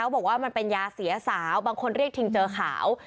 บอกว่ามันเป็นยาเสียสาวบางคนเรียกทิงเจอขาว